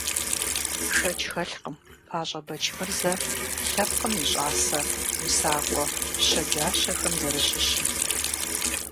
Шэч хэлъкъым ПащӀэ Бэчмырзэ лъэпкъым и щӀасэ усакӀуэ щэджащэхэм зэращыщым.